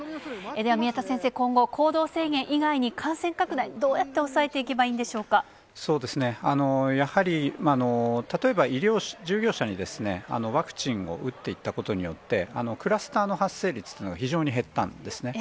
では宮田先生、今後、行動制限以外に感染拡大、どうやって抑えていけばいいんでしょうそうですね、やはり、例えば医療従業者にワクチンを打っていったことによって、クラスターの発生率というのは非常に減ったんですね。